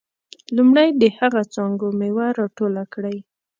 لومړی د هغه څانګو میوه راټوله کړئ.